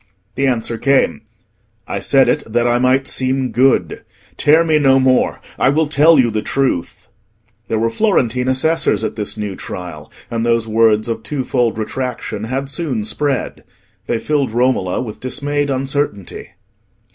The answer came: "I said it that I might seem good; tear me no more, I will tell you the truth." There were Florentine assessors at this new trial, and those words of twofold retraction had soon spread. They filled Romola with dismayed uncertainty.